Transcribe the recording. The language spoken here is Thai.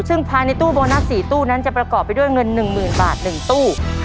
ซึ่งภายในตู้โบนัส๔ตู้นั้นจะประกอบไปด้วยเงิน๑๐๐๐บาท๑ตู้